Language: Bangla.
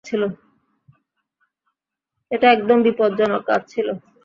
এটা একদম বিপজ্জনক কাজ ছিল।